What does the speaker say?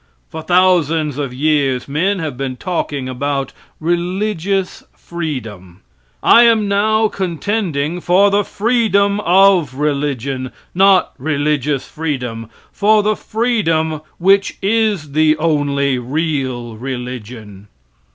For thousands of years men have been talking about religious freedom. I am now contending for the freedom of religion, not religious freedom for the freedom which is the only real religion.